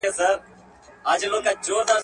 خالق ورته لیکلي دي د نوح د قوم خوبونه.